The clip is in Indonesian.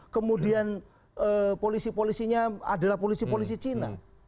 kemudian polisi polisinya adalah polisi polisi cina